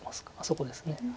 そこです。